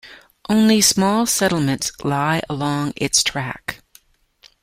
Only small settlements lie along its track.